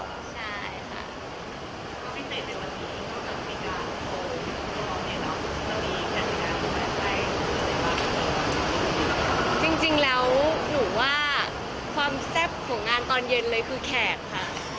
จริงแล้วหนูว่าความแซ่บของงานตอนเย็นเลยคือแขกค่ะ